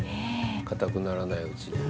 固くならないうちに。